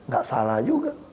gak salah juga